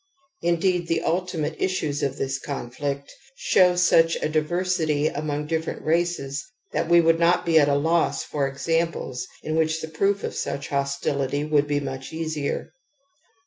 Indeed the ultimate issues of this conflict show such a diversity among different races that we would not be at a loss for examples in which the proof of such hostility would be much easier.